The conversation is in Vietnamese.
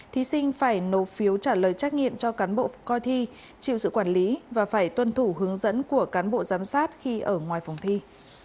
thí sinh phải nộp phiếu trả lời trách nhiệm cho cán bộ coi thi chịu sự quản lý và phải tuân thủ hướng dẫn của cán bộ giám sát khi ở ngoài phòng thi